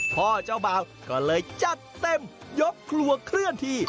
พ่อเจ้าบ่าวก็เลยจัดเต็มยกครัวเคลื่อนที่